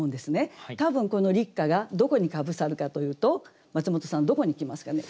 多分この「立夏」がどこにかぶさるかというとマツモトさんどこに来ますかね？